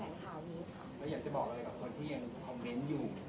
แล้วอยากจะบอกอะไรกับคนที่ยังคอมเมนต์อยู่